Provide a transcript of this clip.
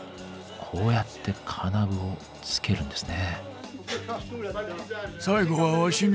こうやって金具を付けるんですね。